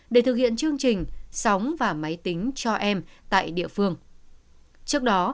để thực hiện tổ chức festival hoa đà lạt năm hai nghìn hai mươi một